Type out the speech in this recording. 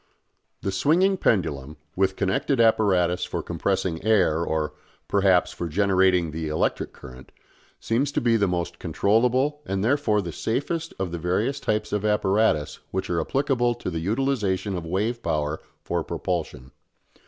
The swinging pendulum, with connected apparatus for compressing air or, perhaps, for generating the electric current, seems to be the most controllable and therefore the safest of the various types of apparatus which are applicable to the utilisation of wave power for propulsion.